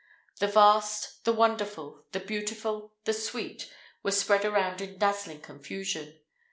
The vast, the wonderful, the beautiful, the sweet, were spread around in dazzling confusion.